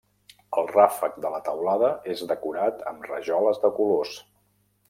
El ràfec de la teulada és decorat amb rajoles de colors.